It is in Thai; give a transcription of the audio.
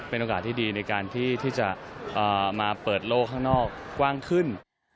เป็นโอกาสที่ดีในการที่จะมาเปิดโลกข้างนอกกว้างขึ้น